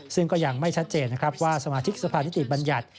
ซึ่งก็ยังไม่ชัดเจนนะครับว่าสมาธิตสหพาณฤติบรรยัตน์